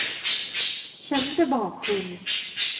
ฉันจะบอกคุณ